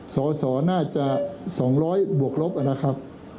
สอสอน่าจะ๒๐๐บวกลบนะครับ